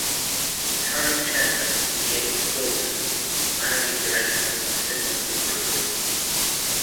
Current chairman is James Staughton, Managing Director of Saint Austell Brewery.